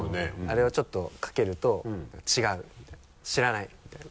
あれをちょっとかけると「違う」みたいな「知らない」みたいな。